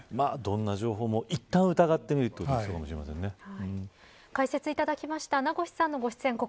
どんな情報もいったん疑ってみるというのが解説いただきました名越さんのご出演